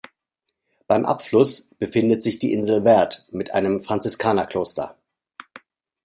Beim Abfluss befindet sich die Insel Werd mit einem Franziskanerkloster.